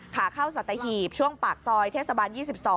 ขาเข้าสัตหีบช่วงปากซอยเทศบาล๒๒